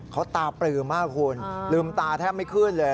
เขาตาปลือมากคุณลืมตาแทบไม่ขึ้นเลย